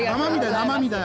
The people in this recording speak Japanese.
生身だよ